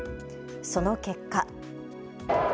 その結果。